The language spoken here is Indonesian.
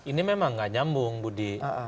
ini memang nggak nyambung budi